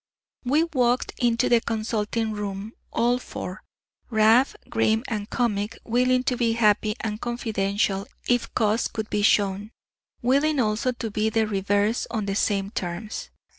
We walked into the consulting room, all four; Rab grim and comic, willing to be happy and confidential if cause could be shown, willing also to be the reverse on the same terms.